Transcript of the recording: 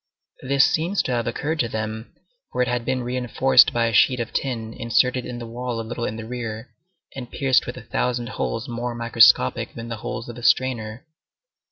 This seems to have occurred to them, for it had been re enforced by a sheet of tin inserted in the wall a little in the rear, and pierced with a thousand holes more microscopic than the holes of a strainer.